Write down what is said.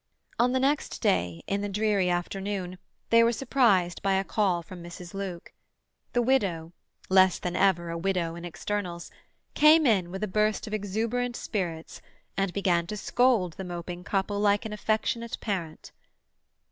On the next day, in the dreary afternoon, they were surprised by a call from Mrs. Luke. The widow—less than ever a widow in externals—came in with a burst of exuberant spirits, and began to scold the moping couple like an affectionate parent.